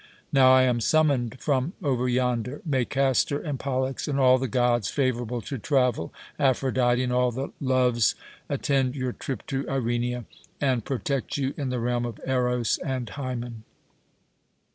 Now I'm summoned from over yonder! May Castor and Pollux, and all the gods favourable to travel, Aphrodite, and all the Loves attend your trip to Irenia, and protect you in the realm of Eros and Hymen!"